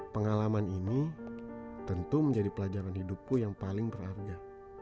pengalaman ini tentu menjadi pelajaran hidupku yang paling berharga